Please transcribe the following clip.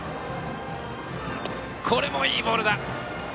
今のもいいボールだ！